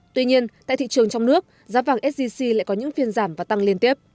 tuy nhiên tại thị trường trong nước giá vàng sgc lại có những phiên giảm và tăng liên tiếp